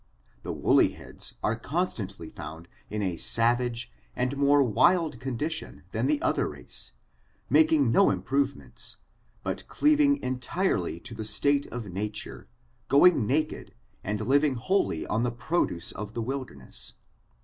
The woolly heads are con stantly found in a savage and more wild condition than the other race, making no improvements, but cleaving entirely to a state of nature, going naked, and living wholly on the produce of the wilderness.